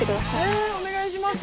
お願いします。